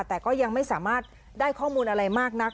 แต่ก็ยังไม่สามารถได้ข้อมูลอะไรมากนัก